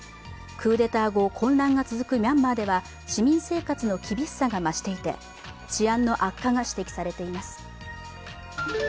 クーデター後、混乱が続くミャンマーでは市民生活の厳しさが増していて治安の悪化が指摘されています。